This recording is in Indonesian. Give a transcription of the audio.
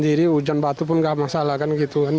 tidak sendiri hujan batu pun tidak masalah kan gitu kan